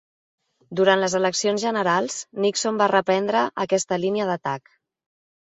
Durant les eleccions generals, Nixon va reprendre aquesta línia d'atac.